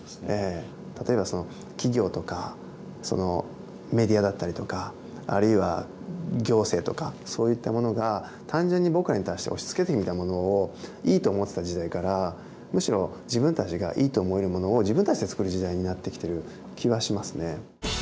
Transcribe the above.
例えば企業とかメディアだったりとかあるいは行政とかそういったものが単純に僕らに対して押しつけてきたものをいいと思ってた時代からむしろ自分たちがいいと思えるものを自分たちでつくる時代になってきてる気はしますね。